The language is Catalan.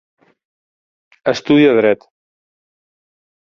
Estudia dret.